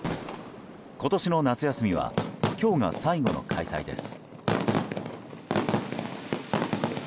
今年の夏休みは今日が最後の開催です。